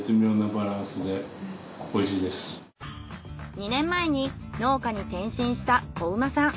２年前に農家に転身した高麗さん。